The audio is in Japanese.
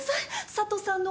佐都さんの！？